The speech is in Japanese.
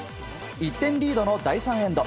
１点リードの第３エンド。